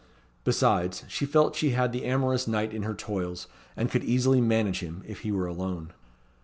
Besides, she felt she had the amorous knight in her toils, and could easily manage him if he were alone.